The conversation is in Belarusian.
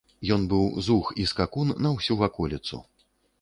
Ён быў зух і скакун на ўсю ваколіцу.